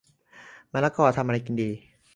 มะละกอทำอะไรกินดี